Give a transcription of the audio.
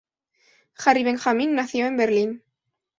Harry Benjamin nació en Berlín.